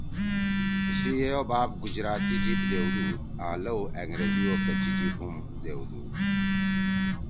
ایِسی یئی او باپ گجراتی جیِب دیؤدُود آں لَؤ أنگریزی او کَچی جیِب ہُم دیؤدُود